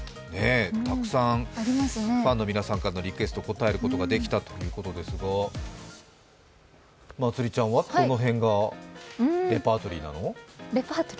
たくさんファンの皆さんからのリクエストに応えることができたということですけど、まつりちゃんはどの辺がレパートリーなの？